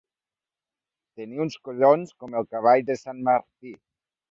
Tenir uns collons com el cavall de sant Martí.